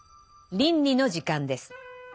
倫理の時間です。